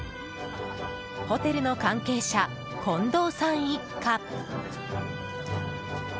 ホテルの関係者、近藤さん一家。